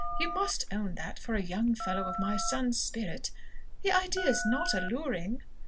You must own that, for a young fellow of my son's spirit, the idea is not alluring."